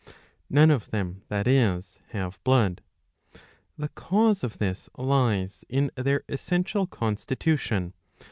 None of them, that is, have blood. The cause of this lies in their essential constitution.